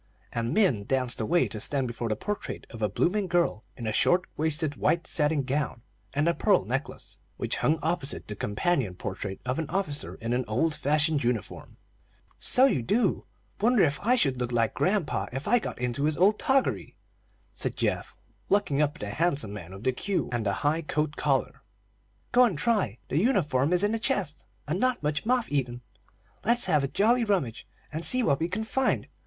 And Min danced away to stand before the portrait of a blooming girl in a short waisted, white satin gown and a pearl necklace, which hung opposite the companion portrait of an officer in an old fashioned uniform. "So you do. Wonder if I should look like grandpa if I got into his old toggery!" said Geoff, looking up at the handsome man with the queue and the high coat collar. "Go and try; the uniform is in the chest, and not much moth eaten. Let's have a jolly rummage, and see what we can find.